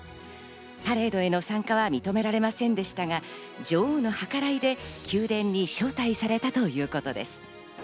パレードへの参加は認められませんでしたが、女王の計らいで宮殿に招待されたということです。